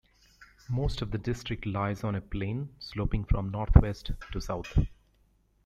Most of the district lies on a plain sloping from north west to south.